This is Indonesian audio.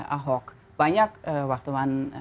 ahok banyak wartawan